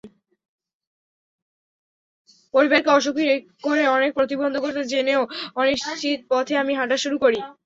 পরিবারকে অসুখী করে, অনেক প্রতিবন্ধকতা জেনেও অনিশ্চিত পথে আমি হাঁটা শুরু করি।